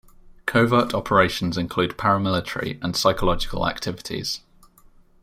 Covert operations include paramilitary and psychological activities.